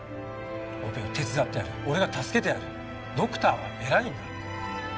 オペを手伝ってやる俺が助けてやるドクターは偉いんだ。